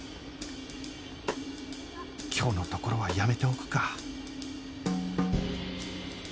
今日のところはやめておくか